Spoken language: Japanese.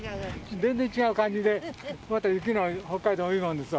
全然違う感じで、また雪の北海道もいいもんですわ。